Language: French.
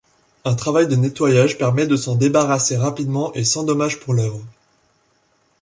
Un travail de nettoyage permet de s'en débarrasser rapidement et sans dommage pour l’œuvre.